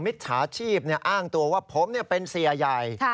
มิจฉาชีพอ้างตัวว่าผมเป็นเสียใหญ่